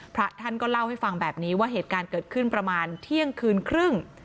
พระท่านก็เล่าให้ฟังแบบนี้ว่าเหตุการณ์เกิดขึ้นประมาณเที่ยงคืนครึ่ง